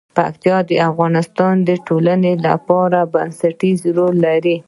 پکتیکا د افغانستان د ټولنې لپاره بنسټيز رول لري.